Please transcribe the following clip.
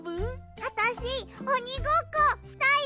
あたしおにごっこしたい！